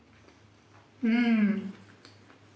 うん。